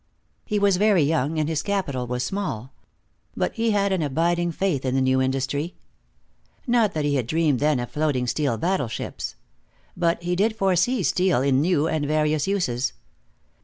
He was very young and his capital was small. But he had an abiding faith in the new industry. Not that he dreamed then of floating steel battleships. But he did foresee steel in new and various uses.